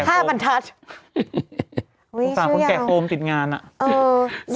โอ้ยสงสารคนแก่โกมติดงานอ่ะ